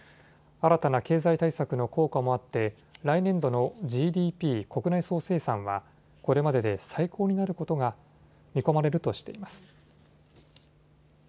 新たな経済対策の効果もあって来年度のＧＤＰ・国内総生産はこれまでで最高になることが見込まれるとしています。